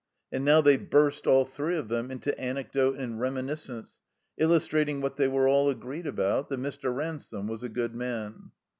And now they burst, all three of them, into anecdote and reminiscence, illustrating what they were all agreed about, that Mr. Ransome was a good man.